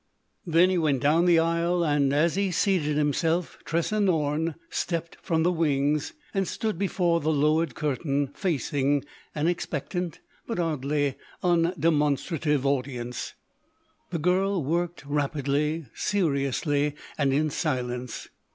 Then he went down the aisle, and as he seated himself Tressa Norne stepped from the wings and stood before the lowered curtain facing an expectant but oddly undemonstrative audience. The girl worked rapidly, seriously, and in silence.